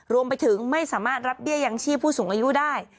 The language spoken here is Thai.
รวมไปถึงไม่สามารถรับเบี้ยยังชีพผู้สูงอายุได้